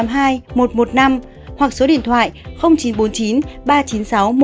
hoặc số điện thoại chín trăm bốn mươi chín ba trăm chín mươi sáu một trăm một mươi năm